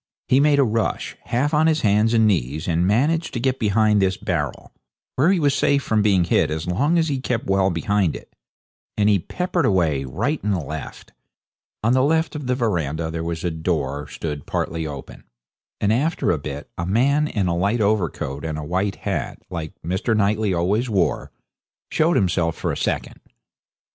He made a rush, half on his hands and knees, and managed to get behind this barrel, where he was safe from being hit as long as he kept well behind it. Then he peppered away, right and left. On the left of the verandah there was a door stood partly open, and after a bit a man in a light overcoat and a white hat, like Mr. Knightley always wore, showed himself for a second.